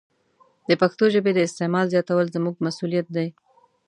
د پښتو ژبې د استعمال زیاتول زموږ مسوولیت دی.